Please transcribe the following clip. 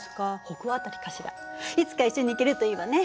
いつか一緒に行けるといいわね。